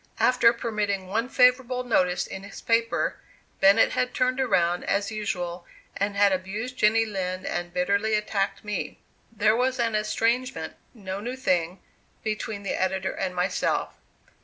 After permitting one favorable notice in his paper, Bennett had turned around, as usual, and had abused Jenny Lind and bitterly attacked me. There was an estrangement, no new thing, between the editor and myself.